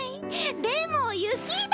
でも雪だ！